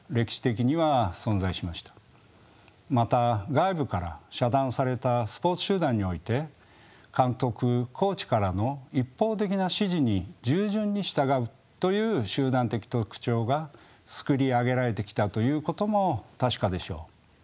また外部から遮断されたスポーツ集団において監督・コーチからの一方的な指示に従順に従うという集団的特徴が作り上げられてきたということも確かでしょう。